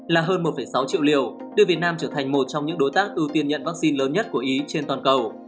là hơn một sáu triệu liều đưa việt nam trở thành một trong những đối tác ưu tiên nhận vaccine lớn nhất của ý trên toàn cầu